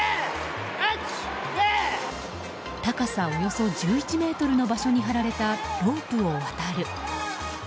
高さおよそ１１ｍの場所に張られたロープを渡る。